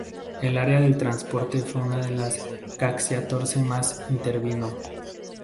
El área del transporte fue una de las que Cacciatore más intervino.